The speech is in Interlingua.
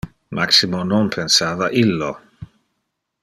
Maximo non pensava illo.